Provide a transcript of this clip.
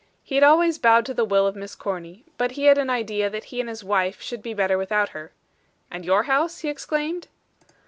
He had always bowed to the will of Miss Corny, but he had an idea that he and his wife should be better without her. "And your house?" he exclaimed.